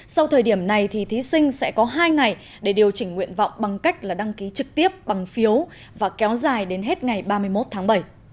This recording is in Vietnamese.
sau thời điểm này thì thí sinh sẽ có hai ngày để điều chỉnh nguyện vọng bằng cách là đăng ký trực tiếp bằng phiếu và kéo dài đến hết ngày ba mươi một tháng bảy